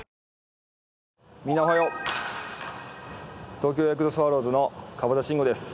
東京ヤクルトスワローズの川端慎吾です。